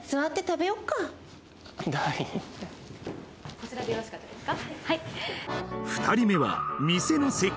こちらでよろしかったですか？